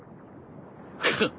フッ。